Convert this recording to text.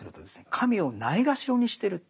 神をないがしろにしてるって。